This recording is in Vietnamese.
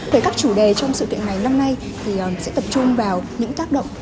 về các chủ đề trong sự kiện này năm nay thì sẽ tập trung vào những tác động